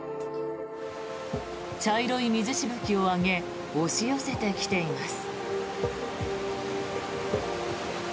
茶色い水しぶきを上げ押し寄せてきています。